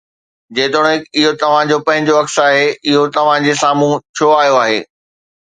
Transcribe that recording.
جيتوڻيڪ اهو توهان جو پنهنجو عڪس آهي، اهو توهان جي سامهون ڇو آيو آهي؟